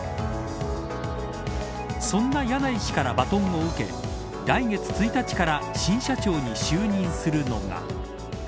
そんな柳井氏からバトンを受け来月１日から新社長に就任するのが。